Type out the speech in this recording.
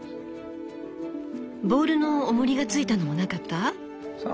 ボールのおもりがついたのもなかった？